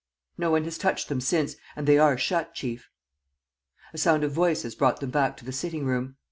"No one has touched them since. And they are shut, chief." A sound of voices brought them back to the sitting room.